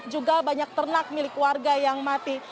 juga banyak ternak milik warga yang mati